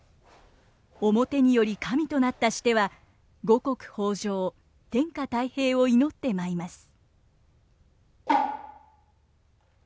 面により神となったシテは五穀豊穣天下泰平を祈って舞います。